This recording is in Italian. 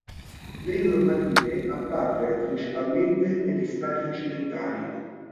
Le normative apparvero principalmente negli stati occidentali.